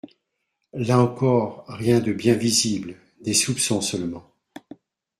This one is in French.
Là encore, rien de bien visible, des soupçons seulement